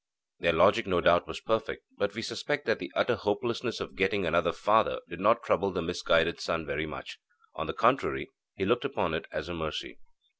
Their logic no doubt was perfect, but we suspect that the utter hopelessness of getting another father did not trouble the misguided son very much. On the contrary, he looked upon it as a mercy.